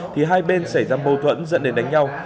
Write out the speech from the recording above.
thì hai bên xảy ra mâu thuẫn dẫn đến đánh nhau